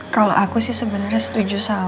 kalau aku sih sebenernya setuju sama lo